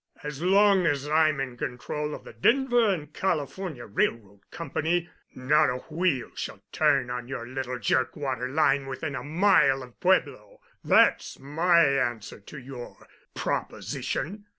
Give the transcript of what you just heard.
As long as I'm in control of the Denver and California Railroad Company not a wheel shall turn on your little jerk water line within a mile of Pueblo. That's my answer to your proposition.